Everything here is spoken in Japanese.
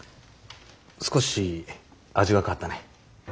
少し味が変わったね。